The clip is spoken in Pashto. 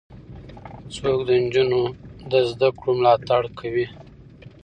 څوک د نجونو د زدهکړو ملاتړ کوي؟